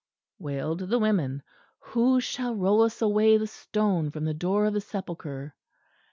_" wailed the women. "Who shall roll us away the stone from the door of the sepulchre?"